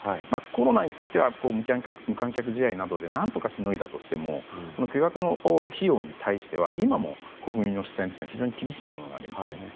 コロナについては無観客試合などで何とかしのいだとしても巨額の費用に対しては今も国民の視線というのは厳しいものがありますよね。